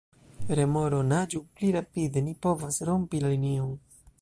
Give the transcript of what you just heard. Remoro: "Naĝu pli rapide! Ni povas rompi la linion!"